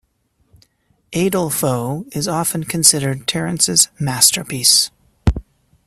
"Adelphoe" is often considered Terence's masterpiece.